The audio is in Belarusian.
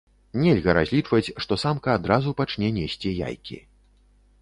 Нельга разлічваць, што самка адразу пачне несці яйкі.